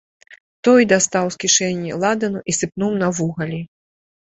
Той дастаў з кішэні ладану і сыпнуў на вугалі.